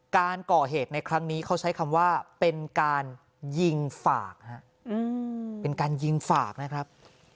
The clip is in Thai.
การก่อเหตุในครั้งนี้เขาใช้คำว่าเป็นการยิงฝากนะครับ